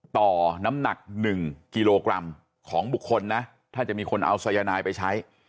น้ำหนัก๑กิโลกรัมของบุคคลนะถ้าจะมีคนเอาสายนายไปใช้